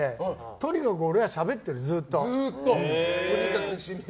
とにかく俺がしゃべってる、ずっと。